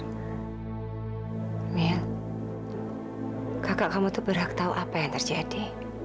emil kakak kamu tuh berhak tahu apa yang terjadi